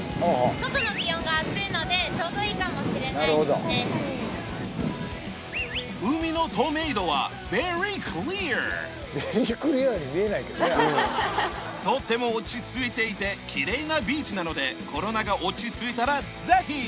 うんとっても落ち着いていてきれいなビーチなのでコロナが落ち着いたらぜひ！